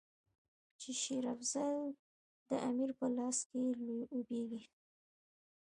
چې شېر افضل د امیر په لاس کې لوبیږي.